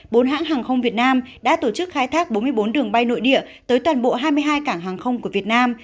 bốn hãng hàng không việt nam đã tổ chức khai thác bốn mươi bốn đường bay nội địa tới toàn bộ hai mươi hai cảng hàng không của việt nam